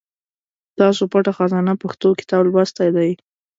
تاسو پټه خزانه پښتو کتاب لوستی دی ؟